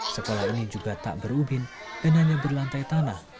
sekolah ini juga tak berubin dan hanya berlantai tanah